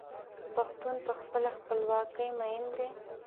پښتون په خپله خپلواکۍ مین دی.